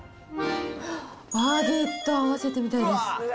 バゲット合わせてみたいです。